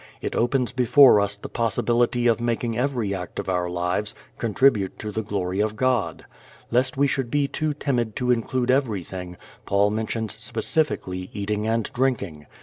It opens before us the possibility of making every act of our lives contribute to the glory of God. Lest we should be too timid to include everything, Paul mentions specifically eating and drinking.